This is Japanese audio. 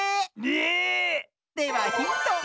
えっ⁉ではヒント。